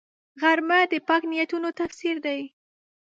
غرمه د پاک نیتونو تفسیر دی